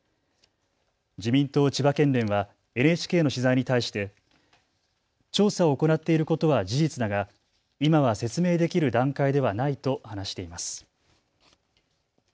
自民党千葉県連はＮＨＫの取材に対して調査を行っていることは事実だが今は説明できる段階ではないと話しています。